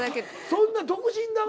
そんな「独身だ」は。